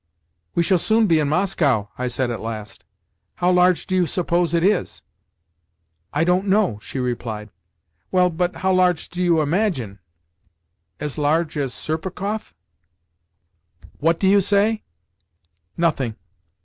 "We shall soon be in Moscow," I said at last. "How large do you suppose it is?" "I don't know," she replied. "Well, but how large do you imagine? As large as Serpukhov?" "What do you say?" "Nothing."